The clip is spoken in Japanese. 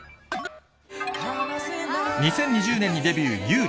２０２０年にデビュー、優里。